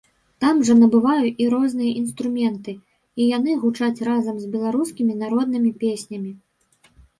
Там жа набываю і розныя інструменты, і яны гучаць разам з беларускімі народнымі песнямі.